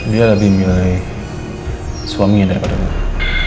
dia lebih milih suaminya daripada dulu